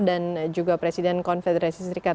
dan juga presiden konfederasi serikat buruh sejahtera indonesia